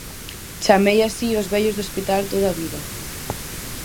_Chamei así aos vellos do hospital toda a vida.